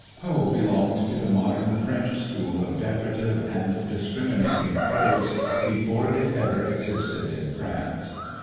Poe belonged to the modern French school of decorative and discriminating prose before it ever existed in France.